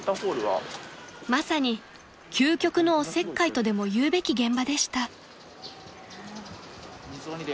［まさに究極のおせっかいとでもいうべき現場でした］